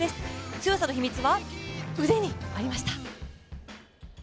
強さの秘密は、腕にありました。